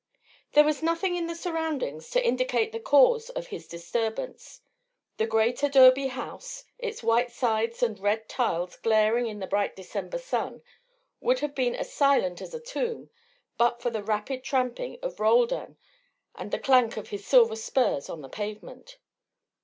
There was nothing in the surroundings to indicate the cause of his disturbance. The great adobe house, its white sides and red tiles glaring in the bright December sun, would have been as silent as a tomb but for the rapid tramping of Roldan and the clank of his silver spurs on the pavement.